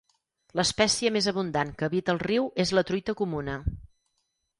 L'espècie més abundant que habita al riu és la truita comuna.